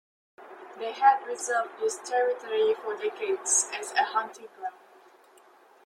They had reserved this territory for decades as a hunting ground.